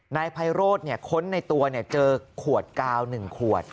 นายไพโรดเนี่ยค้นในตัวเนี่ยเจอขวดกาว๑ขวด